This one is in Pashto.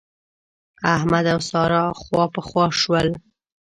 احمد او سارا خواپخوا شول.